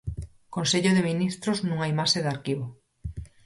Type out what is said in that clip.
Consello de Ministros nunha imaxe de arquivo.